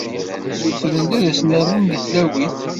Ssutren-d ad asen-rnun deg tlawit.